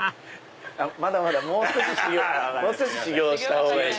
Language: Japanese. まだまだもう少し修業した方が。